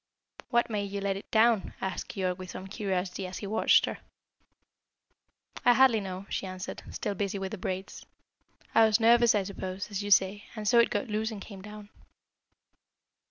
"What made you let it down?" asked Keyork with some curiosity, as he watched her. "I hardly know," she answered, still busy with the braids. "I was nervous, I suppose, as you say, and so it got loose and came down."